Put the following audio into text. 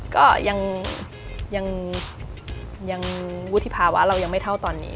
ก็ยังวุฒิภาวะเรายังไม่เท่าตอนนี้